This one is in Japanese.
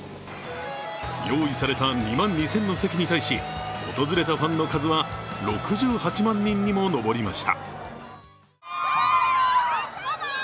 用意された２万２０００の席に対し訪れたファンの数は６８万人にも上りました。